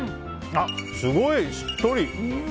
すごいしっとり！